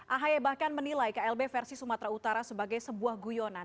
ahy bahkan menilai klb versi sumatera utara sebagai sebuah guyonan